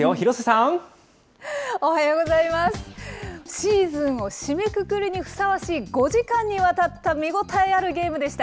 シーズンを締めくくるにふさわしい、５時間にわたった見応えあるゲームでした。